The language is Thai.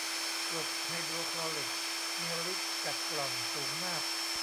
กรดไฮโดรคลอริก มีฤทธิ์กัดกร่อนสูงมาก